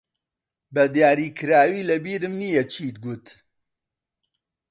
بەدیاریکراوی لەبیرم نییە چیت گوت.